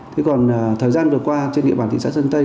thế còn thời gian vừa qua trên địa bàn thị xã sơn tây